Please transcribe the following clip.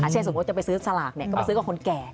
เช่นสมมุติจะไปซื้อสลากก็ไปซื้อกับคนแก่